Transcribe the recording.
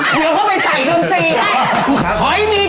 เดี๋ยวเขาไปใส่ดนตรีให้